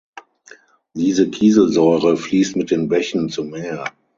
Diese Kieselsäure fließt mit den Bächen zum Meer.